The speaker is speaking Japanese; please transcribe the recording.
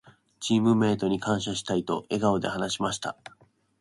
「チームメイトに感謝したい」と笑顔で話しました。